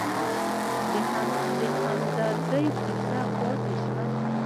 د همدرد کیسه پاتې شوه.